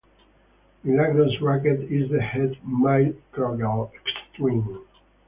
Milagros' racquet is the Head Microgel Extreme.